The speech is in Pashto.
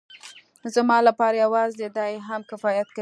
زما لپاره يوازې دې هم کفايت کاوه.